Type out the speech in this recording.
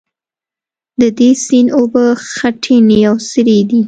د دې سیند اوبه خټینې او سرې دي.